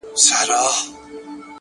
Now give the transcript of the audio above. دا ستا د حسن د اختر پر تندي ـ